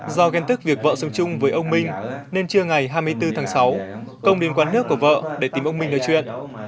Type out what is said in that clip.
do ghen tức việc vợ sống chung với ông minh nên trưa ngày hai mươi bốn tháng sáu công đến quán nước của vợ để tìm ông minh nói chuyện